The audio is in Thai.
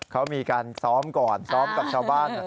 เขามีการซ้อมก่อนซ้อมกับชาวบ้าน